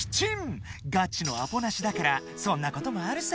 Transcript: ［がちのアポなしだからそんなこともあるさ］